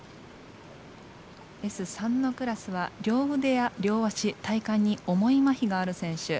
Ｓ３のクラスは両腕や両足体幹に重いまひがある選手。